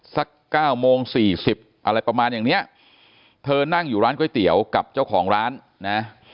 สักเก้าโมงสี่สิบอะไรประมาณอย่างเนี้ยเธอนั่งอยู่ร้านก๋วยเตี๋ยวกับเจ้าของร้านนะ